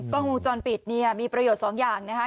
กล้องวงจรปิดเนี่ยมีประโยชน์สองอย่างนะคะ